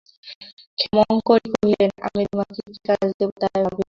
ক্ষেমংকরী কহিলেন, আমি তোমাকে কী কাজ দিব, তাই ভাবিতেছি।